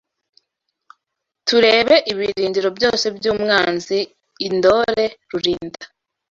tureba ibirindiro byose by’umwanzi i Ndore Rulinda